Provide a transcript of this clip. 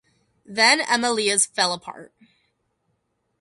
Then Amilias fell apart.